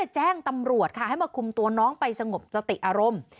แจ้งตำรวจค่ะให้มาคุมตัวน้องไปสงบสติอารมณ์